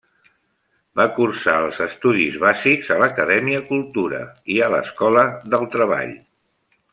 Va cursar els estudis bàsics a l'Acadèmia Cultura i a l'Escola del Treball.